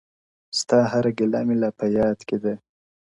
ستا هره گيله مي لا په ياد کي ده،